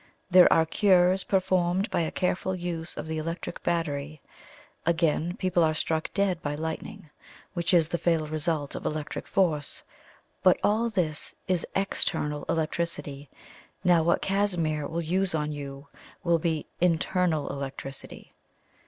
There are cures performed by a careful use of the electric battery again, people are struck dead by lightning, which is the fatal result of electric force. But all this is EXTERNAL electricity; now what Casimir will use on you will be INTERNAL electricity."